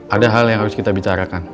ada hal yang harus kita bicarakan